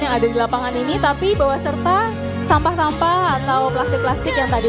yang ada di lapangan ini tapi bahwa serta sampah sampah atau plastik plastik yang tadi